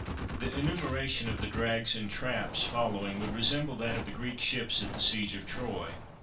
The enumeration of the drags and traps following would resemble that of the Greek ships at the siege of Troy.